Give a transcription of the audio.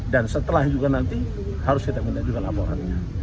dan setelah juga nanti harus kita minta juga laporannya